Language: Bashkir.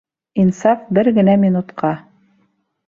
Инсаф, бер генэ минутҡа!